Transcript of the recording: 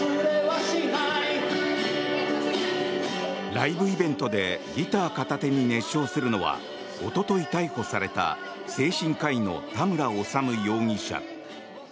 ライブイベントでギター片手に熱唱するのはおととい逮捕された精神科医の田村修容疑者。